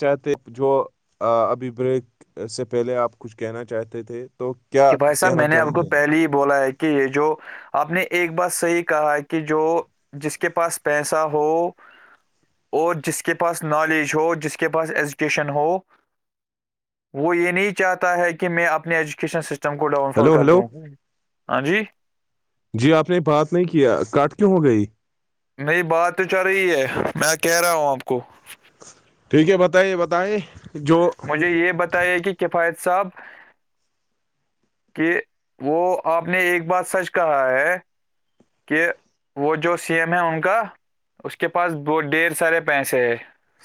چاہتے جو ابھی بریک سے پہلے آپ کچھ کہنا چاہتے تھے تو کیا کہ بھائی صاحب کہنا میں نے آپ چاہیں کو گے پہلے ہی بولا ہے کہ یہ جو آپ نے ایک بات صحیح کہا کہ جو جس کے پاس پیسہ ہو اور جس کے پاس نالج ہو جس کے پاس ایجوکیشن ہو وہ یہ نہیں چاہتا ہے کہ میں اپنے ایجوکیشن سسٹم کو ڈاؤن فال ہلو کر ہلو دوں ہاں جی جی آپ نے بات نہیں کیا کاٹ کیوں ہو گئی نہیں بات تو چل رہی ہے میں کہہ رہا ہوں آپ کو ٹھیک ہے بتائیے بتائییں جو مجھے یہ بتایا کہ کفایت صاحب کہ وہ آپ نے ایک بات سچ کہا ہے کہ وہ جو سی ایم ہے ان کا اس کے پاس بت ڈر سارے پیسے ہے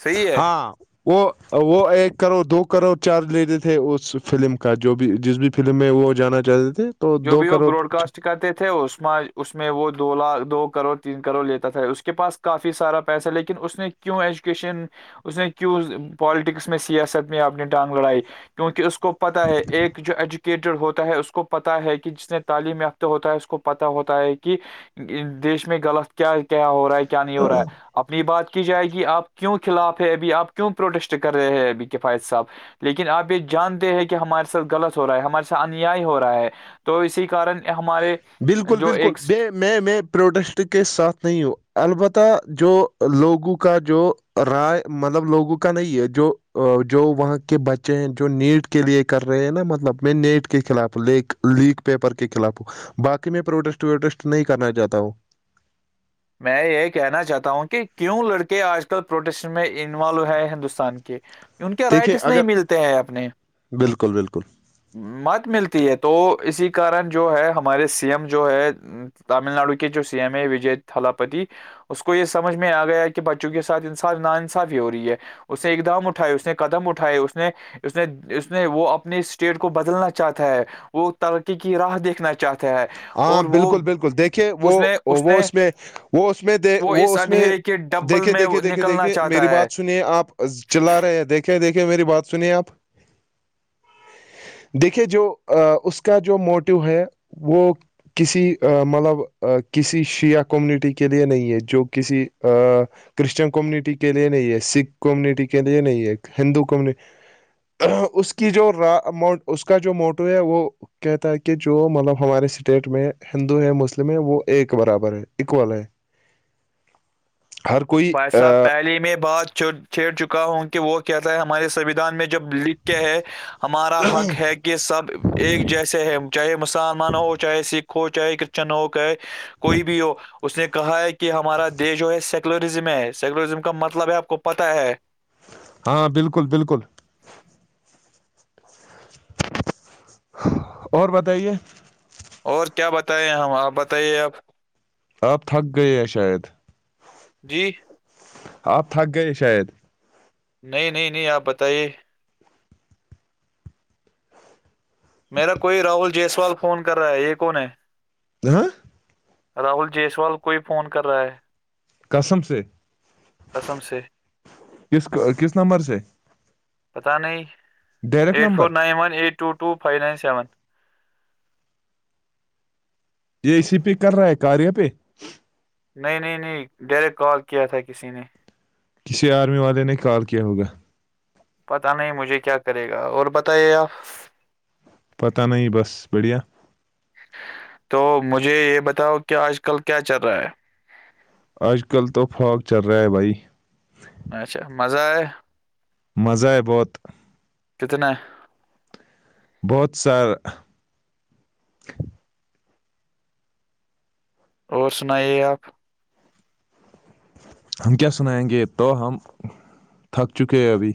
صحیح ہے ہاں وہ وہ ایک کروڑ دو کروڑ چارج لیتے تھے اس فلم کا جو بھی جس بھی فلم میں وہ جانا چاہتے تھے تو جو دو بھی وہ کروڑ براڈ کاسٹ کرتے تھے اس میں اس میں وہ دو لاکھ دو کروڑ تین کروڑ لیتا تھا اس کے پاس کافی سارا پیسہ لیکن اس نے کیوں ایجوکیشن اس نے کیوں پالیٹکس میں سیاست میں اپنی ٹانگ لڑائی کیونکہ اس کو کو پتا ہے ایک جو ایجوکیٹڈ ہوتا ہے اس کو پ پتا ہے کہ جس نے تعلیم یافتہ ہوتا ہے اس کو پت ہوتا ہے کہ دیش میں غلط کیا کیا ہو رہا ہے کیا نہیں ہو رہا ہے اپنی بات جائے گی آپ کیوں خلاف ہے ابھی آپ کیوں پروٹیسٹ کر رہے ہیں ابھی کفایت صاحب لیکن آپ یہ جانتے ہیں کہ ہمارے سھ غلط ہو رہا ہے ہمارے ساتھ انیائی ہو رہا ہے تو اسی کارن ہمارے بالکل جو بالکل ایک بے میں میں پروڈسٹ کے ساتھ نہیں ہوں البتہ جو لوگوں کا جو رائے مطلب لوگوں کا نہیں ہے جو جو وہاں کے بچے ہیں جو نیٹ کے لیے کر رہے ہیں نا مطلب میں نیٹ کے خلاف لیک لیک پیپر کے خلاف ہو باقی میں پروٹیسٹ ووٹیسٹ نہیں کرنا چاہتا ہ میں یہ کہنا چاہتا ہوں کہ کیوں لڑکے آج کل پروٹیسن میں انوالو ہیں ہندوستان کے ان کے دیکھیے رائٹس نہیں اگر ملتے ہیں اپنے بالکل بالکل مت ملتی ہے تو اسی کارن جو ہے ہمارے سی ایم جو ہے تامل ناڈو کے جو سی ایم ا وجے تھلاپتی اس کو یہ سمجھ میں آ گیا کہ بچوں کے ساتھ انصاف ناان انصافی ہو رہی ہے اس نے اقدام اٹھائے اس نے قدم اٹھائے اس نے اس نے اس نے وہ اپنے اسٹیٹ کو بدلنا چاہتا ہے وہ ترقی کی راہ دیکھنا چاہتا ہے ہاں اور وہ بالکل بالکل دیکھیے وہ اس نے وہ نے اس میں وہ اس میں د وہ اس میں اندھیرے کے ڈبل دیکھے میں دیکھے دیکھے نکلنا دیکھے چاہتا میری ہے بات سنیے آپ چلا رہے ہیں دیکھے کیا دیکھے میری بات سنیے آپ دیکھیے جو اس کا جو موٹو ہے وہ کسی مطلب کسی شیعہ کمیونٹی کے لیے نہیں ہے جو کسی کرشچن کمیونٹی کے لیے نہیں ہے سکھ کمیونٹی کے لیے نہیں ہے ہندو کمیون اس کی جو ر اس کا جو موٹو ہے وہ کہتا ہے کہ جو مطلب ہمارے اسٹیٹ میں ہندو ہے مسلم ہے وہ ایک برابر ہے اکول ہے [inaudible] ہر کوئی با صاحب پہلیے میں بات چھیڑ چکا ہوں کہ وہ کیا تھا ہمارے سویدھان میں جب لٹ کیا ہے ہمارا حق ہے کہ کہ سب ایک جیسے ہے چاہے مسلمان ہو چاہے سکھ ہو چاہے کرشچن ہوے کوئی بھی ہو اس نے کہا ہے کہ ہمارا دیش جو ہے سیکٹ سیکولزم ہے سیکولرزم کا مطلب ہے آپ کو پتا ہے ہاں بالکل بالکل اور بتائیے اور کیا بتائائےیں ہم آپ بتائیے آپ آپ تھک گئے ہیں شاید جی آپ تھک گیے شاید نہیں نہیں نہیں آپ بتائیے میرا کوئی راہل جیسوال فون کر رہا ہے یہ کون ہے ہ راہل جیسوال کوئی فون کر رہا ہے کسم سے قسم سے کس کس نمبر سے پتہ نہیں direct eight four number nine one eight two two five nine seven یہ اے سی پہ کر رہا ہے کاریا پہ نہیں نہیں نہیں ڈائریکٹ کال کیا تھا کسی نے کسی آرمی والے نے کال کیا ہوگا پتا نہیں مجھے کیا کرے گا اور بتائیے آپ پتا نہیں بس بڑھیا تو مجھے یہ بتاؤ کہ آج کل کیا چل رہا ہے اج کل تو فاغ چل رہا ہے بھائی اچھا مزہ ہے مزہ ہے بہت کتنے بہت سا اور سنائیے آپ ہم کیا سنائیں گے تو ہم تھک چکے ہیں ابھی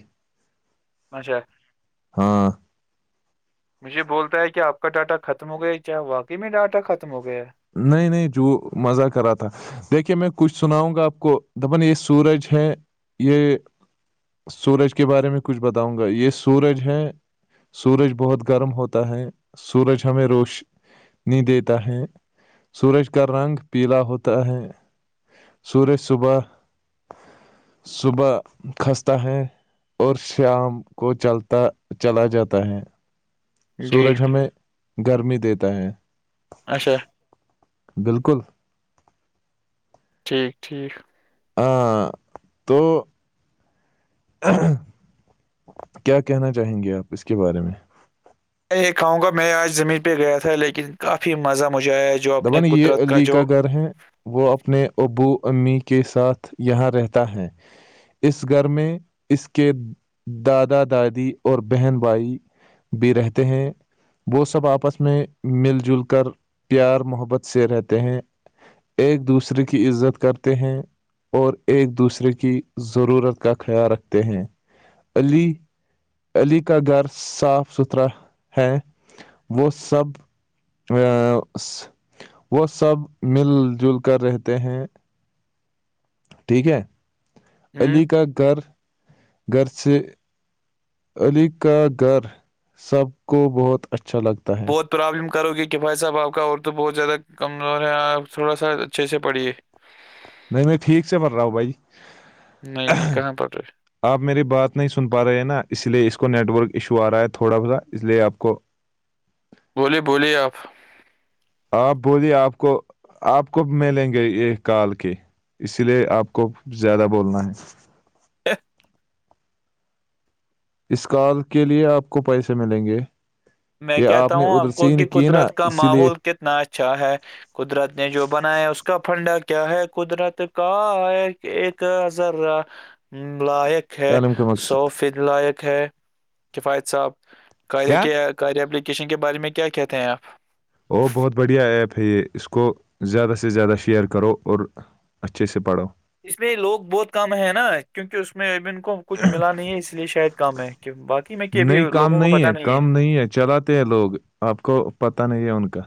اچھا ہاں مجھے بولتا ہے کہ آپ کا ڈاٹا ختم ہو گیا کیا واقعی میں ڈاٹا ختم ہو گیا ہے نہیں نہیں جو مزہ کرا تھا دیکھیے میں کچھ سناؤں گا آپ کو دپن یہ سورج ہے یہ سورج کے بارے میں کچھ بتاؤں گا یہ سورج ہے سورج بہت گرم ہوتا ہے سورج ہمیں روش نہیں دیتا ہے سورج کا رنگ پیلا ہوتا ہے سورج صبح صبح کھستہ ہیں ہیں اور شام کو چلتا چلا جاتا ہے ہے جی سورج ہمیں گرمی دیتا ہے اچھا بالکل ٹھیک ٹھیک ہاں تو کیا کہنا چاہیں گے آپ اس کے بارے میں ا یہ کہوں گا میں آج زمین پہ گیا تھا لیکن کافی مزہ مجھے آیا جو اپنے دپن یہ قدرت علی جو کا گھر ہے وہ اپنے ابو امی کے ساتھ یہاں رہتا ہے اس گھر میں اس کے دادا دادی اور بہن بھائی بھی رہتے ہیں وہ سب آپس میں مل جل کر پیار محبت سے رہتے ہیں ایک دوسرے کی عزت کرتے ہیں اور ایک دوسرے کی ضرورت کا خیال رکھتے ہیں علی علی کا گھر صاف ستھرا ہے وہ سب ا وہ سب مل جل کر رہتے ہیں ٹھیک ہے ہوں علی کا گھر گھر سے علی کا گھر سب کو بہت اچھا لگتا ہے بہت پرابلم کرو گے کہ بھائی صاحب آپ کا اور تو بہت زیادہ کمزور ہے آپ تھوڑا سا اچھے سے پڑھیے نہیں نہیں ٹھیک سے پھرراؤ بھائی نہیں نہیں کہاں پت رہ آپ میری بات نہیں سن پا رہے ہیں نا اس لیے اس کو نیٹ ورک ایشو آ رہا ہے تھوڑا س سا اس لیے آپ کو بولیے بولیے آپ آپ بولیے آپ کو آپ کوب ملیں گے یہ کال کے اسی لیے آپ کو زیادہ بولنا ہے ہ اس کال کے لیے آپ کو پیسے ملیں گے میں یہ کہتا نے ہوں آپ ادھر کو سے ہی کہ کی نا قدرت کا اسی لیے ماحول کتنا اچھا ہے قدرت نے جو بنایا ہے اس کا پھنڈا کیا ہے قدرت کا ہے ایک ہزر لاق ہے تعلیم کا سو مقصد فت لائق ہے کفایت صاحب قے کیا کے کار اپلیکیشن کے بارے میں کیا کہتے ہیں آپ او بہت بڑھیا ایپ ہے یہ اس کو زیادہ سے زیادہ شیئر کرو اور اچھے اسس سے پڑو اس میں لوگ بہت کم ہے نا کیونکہ اس میں اب ان کو کچھ ملا نہیں ہے اس لیے شاید کم ہے کہ باقی میں کہ بھی نہیں کام لوگوں کو نہیں ہے پتا کام نہیں ہے چلاتے ہیں لوگ آپ کو پتہ نہیں ہے ان کا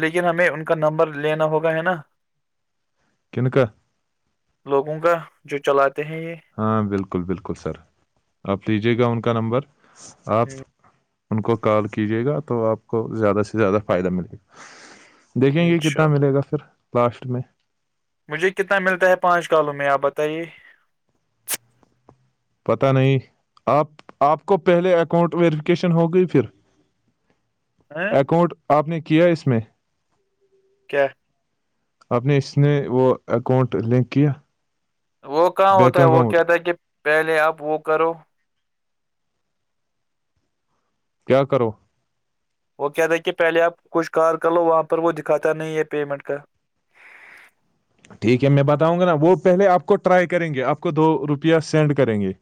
لیکن ہمیں ان کا نمبر لینا ہوگا ہے نا کنکہ لوگوں کا جو چلاتے ہیں یہ ہاں بالکل بالکل سر آپ لیجیے گا ان کا نمبر آپ ان کو کال کیجیے گا تو آپ کو زیادہ سے زیادہ فائدہ ملے گا دیکھیں گے انشاء کتنا اللہ ملے گا پھر لاسٹ میں مجھے کتنا ملتا ہے پانچ کالوں میں آپ بتائیے پت نہیں آپ آپ کو پہلے اکاؤنٹ ویریفکیشن ہوگئی پھر [unintelligible] اکاؤنٹ آپ نے کیا اس میں کیا آپ نے اس نے وہ اکاؤنٹ لنک کیا وہ کہاں ہوتا بینک ہے وہ اکاؤنٹ کیا تھا کہ پہلے آپ وہ کرو کیا کرو وہ کہ تھا کہ پہلے آپ کچھ کار کر لو وہاں پر وہ دکھاتا نہیں ہے پیمنٹ کا ٹھیک ہے میں بتاؤں گا نا وہ پہلے آپ کو ٹرائی کریں گے آپ کو دو روپیہ سینڈ کریں گے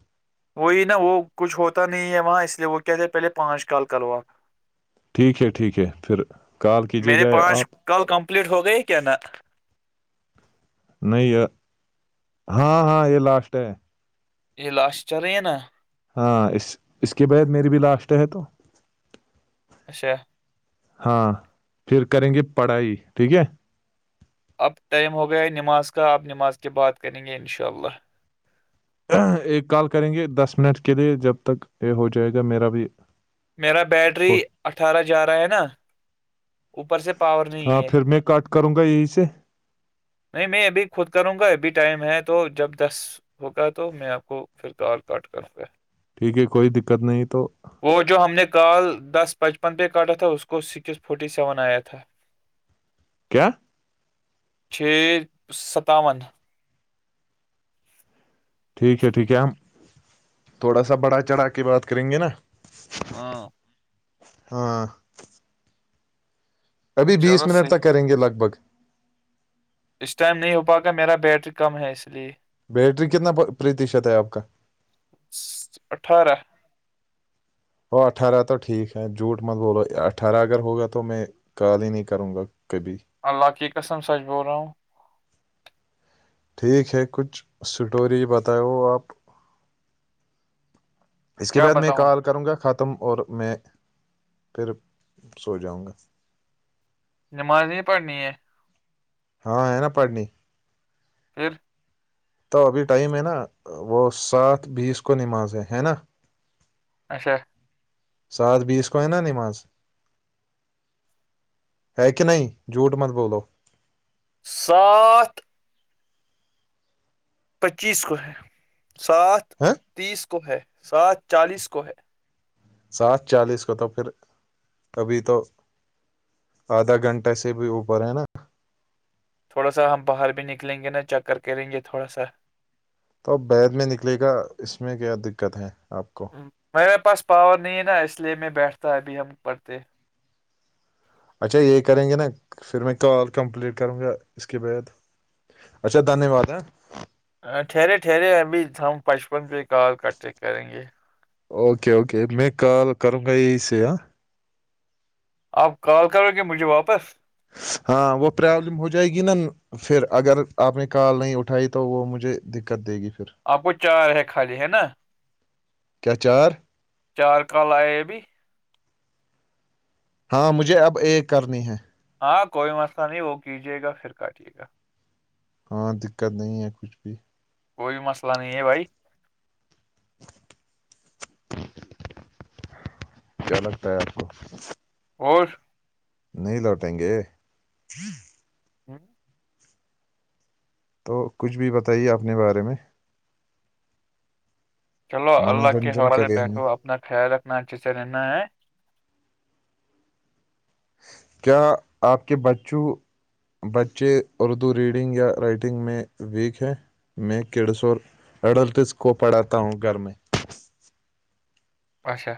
وہی نا وہ کچھ ہوتا نہیں ہے وہاں اس لیے وہ کہتے پہلے پانچ کال کروا ٹھیک ہے ٹھیک ہے پھر کال کیجیے گا آپ کل کمپلیٹ ہو گئی کیا نہ نہیں یہ ہاں ہاں یہ لاسٹ ہے یہ لاسٹ چ رہے ہے نا ہاں اس اس کے بد میری بھی لاسٹ ہے تو اچھا ہاں پھر کریں گے پڑھائی ٹھیک ہے اب ٹائم ہو گیا ہے نماز کا اب نماز کی بات کریں گے انشاء اللہ ایک کال کریں گے دس منٹ کے لیے جب تک یہ ہو جائے گا میرا بھی میرا بیٹری ہو- اٹھارہ جا رہا ہے نا اوپر سے پاور نہیں ہاں ہے پھر میں کٹ کروں گا یہی سے نہیں میں ابھی خود کروں گا ابھی ٹائم ہے تو جب دس ہوگا تو میں آپ کو پھر کال کاٹ کر گا ٹھیک ہے کوئی دقت نہیں تو وہ جو ہم نے کال دس پچپن پہ کاٹا تھا اس کو سکس فورٹی سیون آیا تھا [unintelligible] کیا چھ ستاون ٹھیک ہے ٹھیک ہے ہم تھوڑا سا بڑھا چڑھا کے بات کریں گے نا ہاں ہاں ابھی بیس چلو منٹ صحیح تک کریں گے لگ بھگ اس ٹائم نہیں ہو پا گا میرا بیٹری کم ہے اس لیے بیٹری کتنا پرتیشت ہے آپ کا اٹھارہ وہ اٹھارہ تو ٹھیک ہے جھوٹ مند بولو اٹھارہ اگر ہوگا تو میں کال ہی نہیں کروں گا کبھی اللہ کی قسم سچ بول رہا ہوں ٹھیک ہے کچھ اسٹوری بتاؤ آپ اس کے کیا بعد میں بتاؤں کال کروں گا خط ختم اور میں پھر سو جاؤں گا نماز نہیں پڑھنی ہے ہاں ہے نا پڑھنی پھر تو ابھی ٹائم ہے نا وہ سات بیس کو نمازے ہے نا اچھا سات بیس کو ہے نا نماز ہے کہ نہیں جوٹ مند بولو سات پچیس کو ہے سات ہے تیس کو ہے سات چالیس کو ہے سات چالیس کو تو پھر ابھی تو آدھا گھنٹہ سے بھی اوپر ہے نا تھوڑا سا ہم باہر بھی نکلیں گے نا چکر کریں گے تھوڑا سا تو اب بیید میں نکلے گا اس میں کیا دقت ہے آپ کو میرے پاس پاور نہیں ہے نا اس لیے میں بیٹھتا ابھی ہم پڑھتے اچھا یہی کریں گے نا پھر میں کال کمپلیٹ کروں گا اس کے بعد اچھا دھنیہ واد ہے ہ ٹھہرے ٹھہرے ابھی ہم پچپن پہ ہی کال کرتے کریں گے اوکے اوکے میں کال کروں گا یہ سے آپ کال کرو گے مجھے واپس ہاں وہ پرابلم ہو جائے گی نا پھر اگر آپ نے کال نہیں اٹھائی تو وہ مجھے دقت دے گی پھر آپ کو چار ہے خالی ہے نا کیا چار چار کال آئے ابھی ہاں مجھے اب ایک کرنی ہے ہاں کوئی مسئلہ نہیں وہ کیجیے گا پھر کاٹے گا ہاں دقت نہیں ہے کچھ بھی کوئی مسئلہ نہیں ہے بھائی کیا لگتا ہے آپ کو اور نہیں لوٹیں گے ہوں تو کچھ بھی بتائیے اپنے بارے میں چلو اللہ کے منورنجن حوالے کرے ہمیں بیٹھو اپنا خیال رکھنا اچھے سے رہنا ہے کیا آپ کے بچوں بچے اردو ریڈنگ یا رائٹنگ میں ویک ہیں میں کیڑسور اڈلٹس کو پڑھاتا ہوں گھر میں اچھا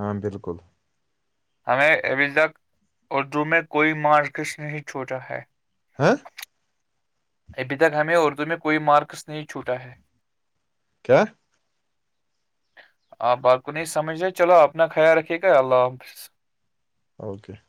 ہاں بالکل ہمیں ابھی تک اردو میں کوئی مارکس نہیں چھوٹا ہے ہاں ابھی تک ہمیں اردو میں کوئی مارکس نہیں چھوٹا ہے کیا آپ آپ کو نہیں سمجھ رہے چلو اپنا خیال رکھیے گا اللہ حافظ اوکے [unintelligible]